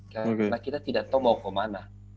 karena kita tidak tahu mau kemana